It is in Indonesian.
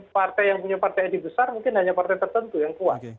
partai yang punya partai ini besar mungkin hanya partai tertentu yang kuat